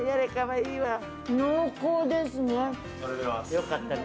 よかったね。